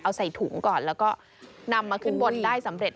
เอาใส่ถุงก่อนแล้วก็นำมาขึ้นบนได้สำเร็จ